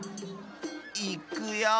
いくよ。